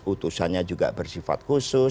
utusannya juga bersifat khusus